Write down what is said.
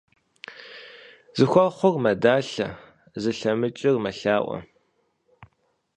Зыхуэхъур мэдалъэ, зылъэмыкӀыр мэлъаӀуэ.